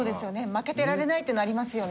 負けてられないっていうのありますよね。